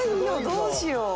どうしよう。